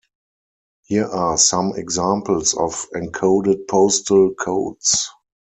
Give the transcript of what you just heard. Here are some examples of encoded postal codes.